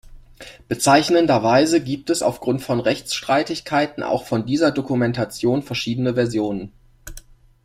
Bezeichnenderweise gibt es aufgrund von Rechtsstreitigkeiten auch von dieser Dokumentation verschiedene Versionen.